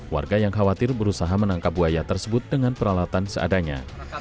warga yang khawatir berusaha menangkap buaya tersebut dengan peralatan seadanya